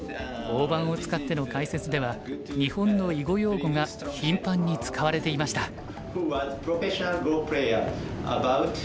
大盤を使っての解説では日本の囲碁用語が頻繁に使われていました。